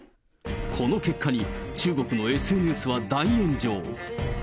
この結果に中国のＳＮＳは大炎上。